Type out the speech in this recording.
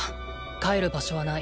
帰る場所はない。